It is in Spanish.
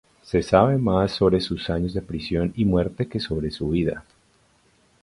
Se sabe más sobre sus años de prisión y muerte que sobre su vida.